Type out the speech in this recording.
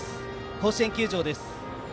甲子園球場です。